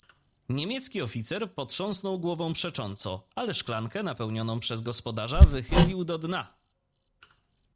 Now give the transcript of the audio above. "Niemiecki oficer potrząsnął głową przecząco ale szklankę napełnioną przez gospodarza wychylił do dna."